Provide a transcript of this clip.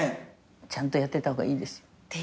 ちゃんとやっといた方がいいですよ。